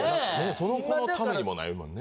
その子の為にもないもんね。